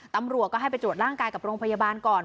ตำรวจก็ให้ไปตรวจร่างกายกับโรงพยาบาลก่อน